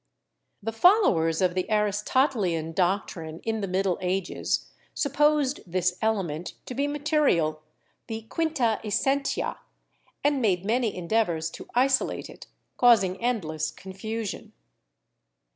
The followers of the Aristotelian doctrine in the Middle Ages supposed this 'element' to be material, the 'quinta essentia/ and made many endeavors to isolate it, causing endless confusion.